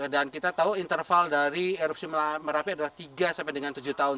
dan kita tahu interval dari erupsi merapi adalah tiga sampai dengan tujuh tahun